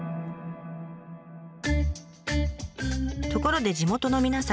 ところで地元の皆さん